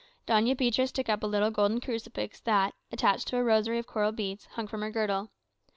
Doña Beatriz took up a little golden crucifiz that, attached to a rosary of coral beads, hung from her girdle.